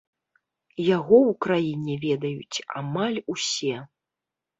Яго ў краіне ведаюць амаль усе.